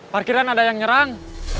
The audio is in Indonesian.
parkiran ada yang nyerang